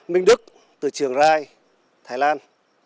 minh đức trường rai thái lan